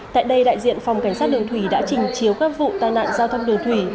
tại đây đại diện phòng cảnh sát đường thủy đã trình chiếu các vụ tai nạn giao thông đường thủy